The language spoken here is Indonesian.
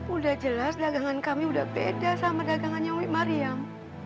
udah jelas dagangan kami udah beda sama dagangannya mariam